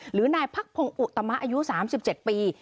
หรือนายพักพงศ์อุตมะอายุ๓๗ปี